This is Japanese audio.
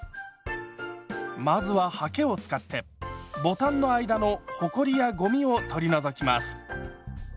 まずははけを使ってボタンの間のほこりやごみを取り除きます。